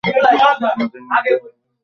মাঝে মাঝে, আমি তার কন্ঠস্বর শুনি।